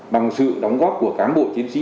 bằng sự đóng góp của cán bộ chiến sĩ